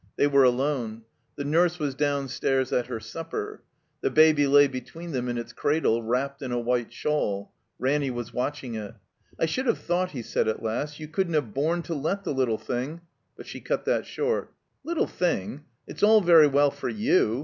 They were alone. The nurse was downstairs at her supper. The Baby lay between them in its cradle, wrapped in a white shawl. Ranny was watching it. "I shotdd have thought," he said, at last, "you couldn't have borne to let the little thing —" But she cut that short. "Little thing! It's all very well for you.